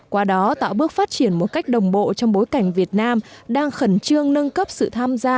qua đó tạo bước phát triển một cách đồng bộ trong bối cảnh việt nam đang khẩn trương nâng cấp sự tham gia